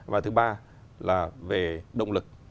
và thứ ba là về động lực